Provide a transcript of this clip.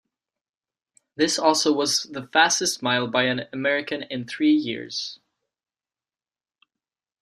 This also was the fastest mile by an American in three years.